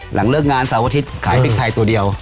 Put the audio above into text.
หลังเลิกงานเสาร์อาทิตย์ขายพริกไทยตัวเดียว